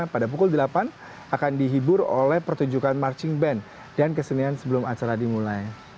pada pukul delapan akan dihibur oleh pertunjukan marching band dan kesenian sebelum acara dimulai